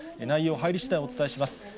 内容入りしだいお伝えします。